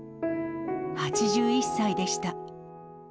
８１歳でした。